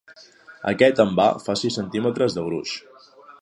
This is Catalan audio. Aquest envà fa sis centímetres de gruix.